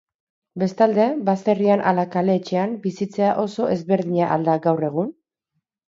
Bestalde, baserrian ala kale-etxean bizitzea oso ezberdina al da gaur egun?